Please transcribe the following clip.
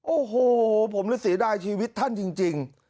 โอ้โหผมเลยเสียดายชีวิตท่านจริง